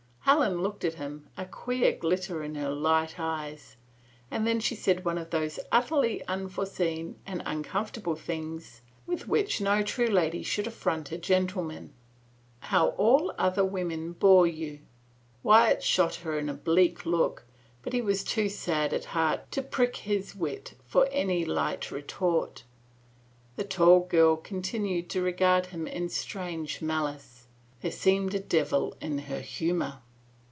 Helen looked at him, a queer glitter in her light eyes, and then she said one of those utterly unforeseen and uncomfortable things with which no true lady should affront a gentleman. " How all other women bore you !" Wyatt shot her an oblique look, but he was too sad at heart to prick his wit for any light retort. The tall girl continued to regard him in strange malice: there seemed a devil in her humor.